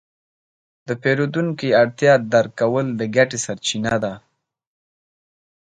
د پیرودونکي اړتیا درک کول د ګټې سرچینه ده.